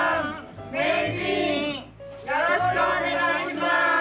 名人よろしくお願いします！